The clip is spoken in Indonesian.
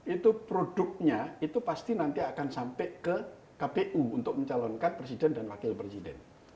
itu produknya itu pasti nanti akan sampai ke kpu untuk mencalonkan presiden dan wakil presiden